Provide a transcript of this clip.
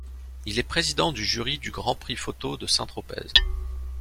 Il est président du jury du Grand Prix Photo de Saint-Tropez.